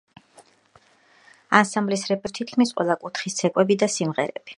ანსამბლის რეპერტუარში შედის საქართველოს თითქმის ყველა კუთხის ცეკვები და სიმღერები.